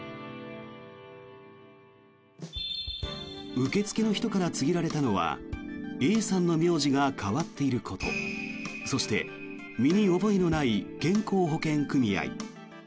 受付の人から告げられたのはＡさんの名字が変わっていることそして身に覚えのない健康保険組合。